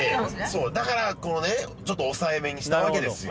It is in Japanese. そうだからこのねちょっと抑えめにしたわけですよ